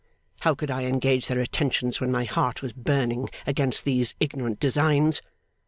How could I engage their attentions, when my heart was burning against these ignorant designs?